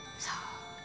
さあ。